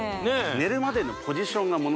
寝るまでのポジションがもの